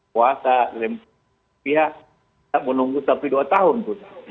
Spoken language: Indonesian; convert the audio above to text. puasa rempah pihak kita menunggu selama dua tahun pun